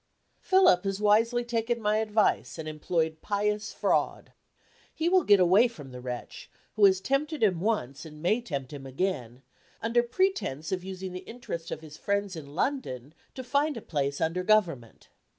Philip has wisely taken my advice, and employed pious fraud. He will get away from the wretch, who has tempted him once and may tempt him again, under pretense of using the interest of his friends in London to find a place under Government.